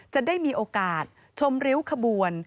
จะได้มีโอกาสชมริ้วขบวน